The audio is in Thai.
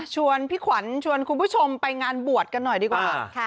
พี่ขวัญชวนคุณผู้ชมไปงานบวชกันหน่อยดีกว่า